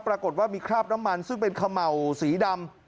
ปรากฏว่ามีคราบน้ำมันซึ่งเป็นเขม่าวสีดำ